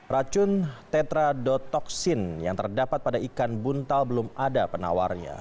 racun tetradotoksin yang terdapat pada ikan buntal belum ada penawarnya